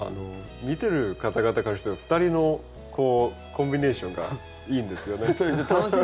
見てる方々からしたら２人のこうコンビネーションがいいんですよね。